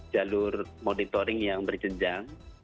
jalur monitoring yang berjenjang